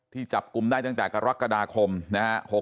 จับกลุ่มได้ตั้งแต่กรกฎาคมนะฮะ